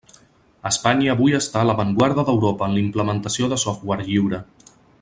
Espanya avui està a l'avantguarda d'Europa en implementació de software lliure.